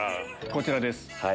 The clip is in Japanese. こちらです。